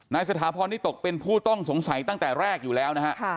สถาพรนี่ตกเป็นผู้ต้องสงสัยตั้งแต่แรกอยู่แล้วนะฮะ